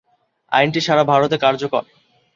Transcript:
আইনটি সারা ভারতে কার্যকর।